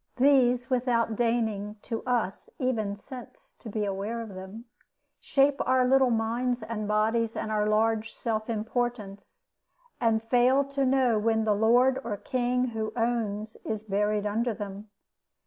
These, without deigning to us even sense to be aware of them, shape our little minds and bodies and our large self importance, and fail to know when the lord or king who owns is buried under them.